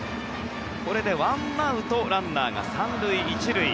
これで１アウトランナーが３塁１塁。